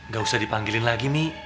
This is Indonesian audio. gak usah dipanggilin lagi nih